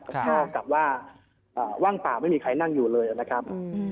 แต่เท่ากับว่าว่างป่าไม่มีใครนั่งอยู่เลยนะครับ